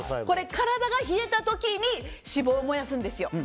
体が冷えた時に脂肪を燃やすんですよ。